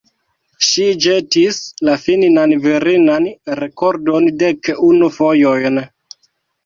Ŝi ĵetis la finnan virinan rekordon dek unu fojojn.